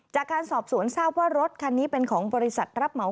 จากการสอบสวนทราบว่ารถคันนี้เป็นของบริษัทรับเหมา